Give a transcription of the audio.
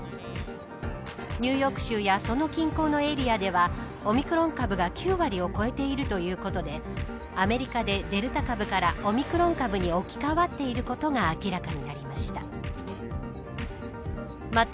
ニューヨーク州やその近郊のエリアではオミクロン株が９割を超えているということでアメリカでデルタ株からオミクロン株に置き変わっていることが明らかになりました。